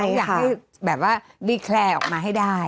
ไม่อยากให้แบบว่าวิแคลออกมาให้ได้